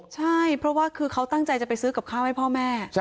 ใช่เพราะว่าคือเขาตั้งใจจะไปซื้อกับข้าวให้พ่อแม่